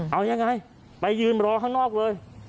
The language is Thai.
เอายังไงไปยืนรอข้างนอกเลย